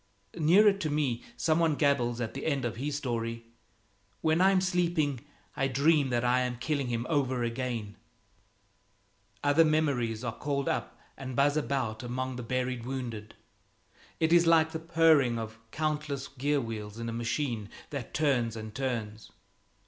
Nearer to me some one gabbles at the end of his story, "When I'm sleeping I dream that I'm killing him over again!" Other memories are called up and buzz about among the buried wounded; it is like the purring of countless gear wheels in a machine that turns and turns.